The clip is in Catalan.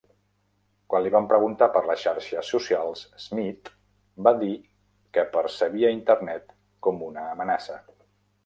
Quan li van preguntar per les xarxes socials, Schmidt va dir que percebia Internet com una "amenaça".